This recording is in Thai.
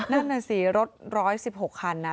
นั่นแน่น่ะสิรถร้อย๑๖คันนะ